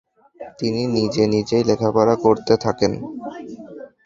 তিনি নিজে নিজেই লেখাপড়া করতে থাকেন।